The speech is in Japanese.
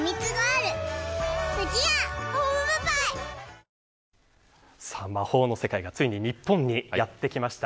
ニトリ魔法の世界がついに日本にやってきました。